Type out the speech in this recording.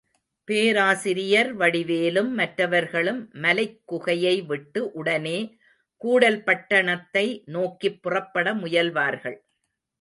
பேராசிரியர் வடிவேலும் மற்றவர்களும் மலைக் குகையை விட்டு உடனே கூடல் பட்டணத்தை நோக்கிப் புறப்பட முயல்வார்கள்.